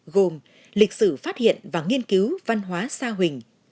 gồm lịch sử phát hiện và nghiên cứu văn hóa sa huỳnh